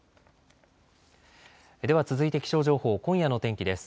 では続いて気象情報、今夜の天気です。